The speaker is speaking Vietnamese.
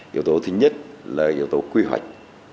yếu tố thứ nhất là yếu tố quy hoạch